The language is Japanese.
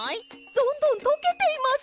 どんどんとけています！